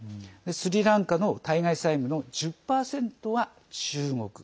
スリランカの対外債務の１０％は中国。